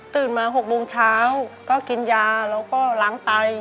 มา๖โมงเช้าก็กินยาแล้วก็ล้างไต